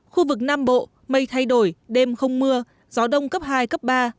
khu vực nam bộ mây thay đổi đêm không mưa gió đông cấp hai cấp ba